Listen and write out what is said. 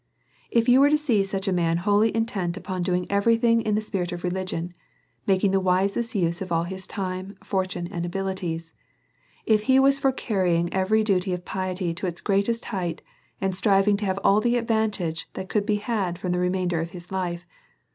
If you was to see such a man wholly intent upon doing every thing in the spirit of religion, making the wisest use of all his time, fortune, and abilities. If he was for carrying every duty of piety to its greatest height, and striving to have all the advantage that could be had from the remainder of his hfe.